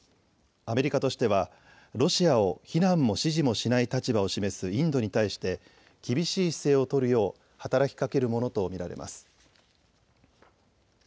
アメリカとしてはロシアを非難も支持もしない立場を示すインドに対して厳しい姿勢を取るよう働きかけるものと見られます。